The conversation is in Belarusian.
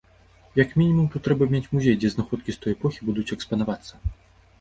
Як мінімум тут трэба мець музей, дзе знаходкі з той эпохі будуць экспанавацца.